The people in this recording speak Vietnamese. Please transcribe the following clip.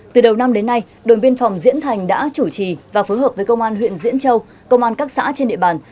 từ đầu năm đến nay đồn biên phòng diễn thành đã chủ trì và phối hợp với công an huyện diễn châu công an các xã trên địa bàn